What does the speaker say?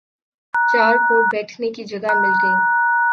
چار کو بیٹھنے کی جگہ مل گئی